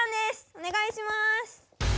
おねがいします。